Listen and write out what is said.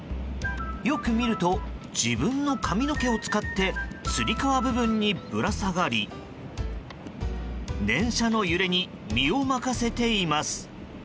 よく見ると自分の髪の毛を使ってつり革部分にぶら下がり電車の揺れに身を任せています。